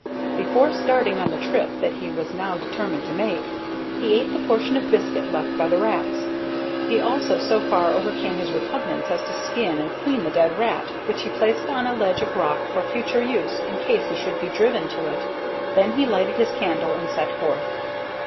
Before starting on the trip that he was now determined to make, he ate the portion of biscuit left by the rats. He also so far overcame his repugnance as to skin and clean the dead rat, which he placed on a ledge of rock for future use in case he should be driven to it. Then he lighted his candle and set forth.